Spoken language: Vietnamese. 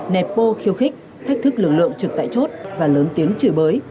nẹp bô khiêu khích thách thức lực lượng trực tại chốt và lớn tiếng chửi bới